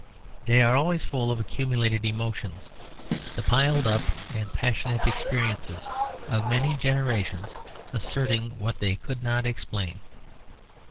They are always full of accumulated emotions, the piled up and passionate experiences of many generations asserting what they could not explain.